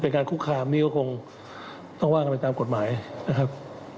การคุกคามนี่ก็คงต้องว่ากันไปตามกฎหมายนะครับ